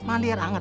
mandi air hangat